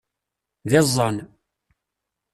D iẓẓan!